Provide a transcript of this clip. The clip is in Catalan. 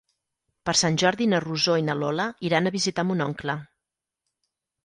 Per Sant Jordi na Rosó i na Lola iran a visitar mon oncle.